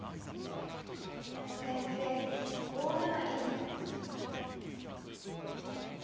先手５七銀。